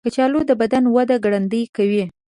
کچالو د بدن وده ګړندۍ کوي.